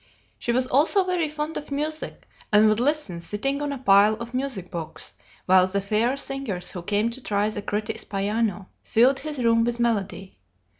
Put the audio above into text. She was also very fond of music, and would listen, sitting on a pile of music books, while the fair singers who came to try the critic's piano filled his room with melody.